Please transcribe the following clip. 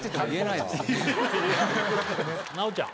奈緒ちゃん。